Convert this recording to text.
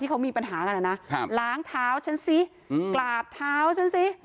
เขามีปัญหากันนะนะล้างเท้าฉันสิกราบเท้าฉันสิ